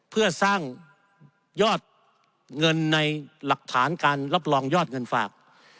เพื่อสร้างยอดเงินในหลักฐานการรับรองยอดเงินฝาก